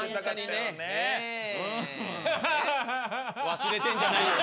忘れてんじゃないよ。